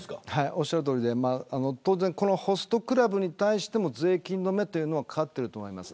おっしゃるとおりで当然このホストクラブに対しても税金の目というのはかかってると思います。